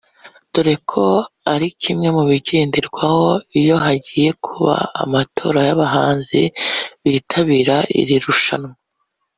dore ko ari kimwe mubintu bireberwaho iyo hagiye kuba amatora y’abahanzi bitabira iri rushanwa